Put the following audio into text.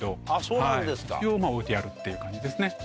一応まぁ置いてあるっていう感じですね。